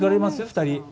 ２人。